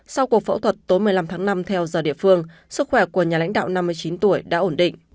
sau cuộc phẫu thuật tối một mươi năm tháng năm theo giờ địa phương sức khỏe của nhà lãnh đạo năm mươi chín tuổi đã ổn định